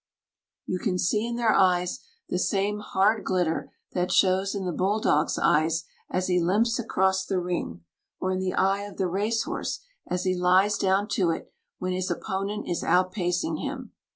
You can see in their eyes the same hard glitter that shows in the bulldog's eyes as he limps across the ring, or in the eye of the racehorse as he lies down to it when his opponent is outpacing him.